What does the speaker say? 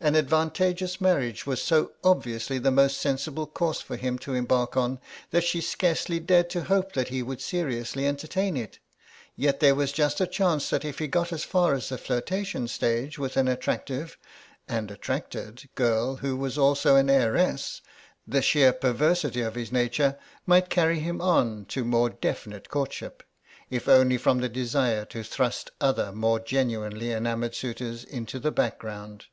An advantageous marriage was so obviously the most sensible course for him to embark on that she scarcely dared to hope that he would seriously entertain it; yet there was just a chance that if he got as far as the flirtation stage with an attractive (and attracted) girl who was also an heiress, the sheer perversity of his nature might carry him on to more definite courtship, if only from the desire to thrust other more genuinely enamoured suitors into the background.